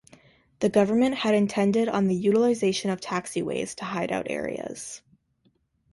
The government had intended on the utilisation of taxiways to hideout areas.